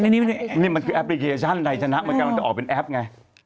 นี่มันคือแอปพลิเคชันไทยชนะมันกำลังจะออกเป็นแอปไง